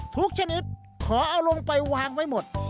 ชนิดขอเอาลงไปวางไว้หมด